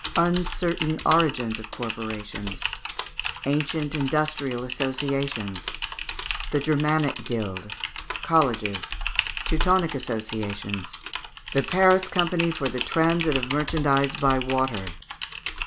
Uncertain Origin of Corporations. Ancient Industrial Associations. The Germanic Guild. Colleges. Teutonic Associations. The Paris Company for the Transit of Merchandise by Water.